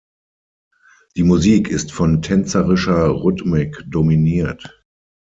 Die Musik ist von tänzerischer Rhythmik dominiert.